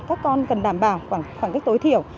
các con cần đảm bảo khoảng cách tối thiểu